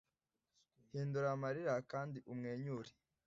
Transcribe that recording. hindura amarira kandi umwenyure